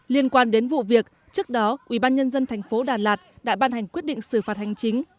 liên quan đến vụ việc trước đó ubnd tp đà lạt đã ban hành quyết định xử phạt hành chính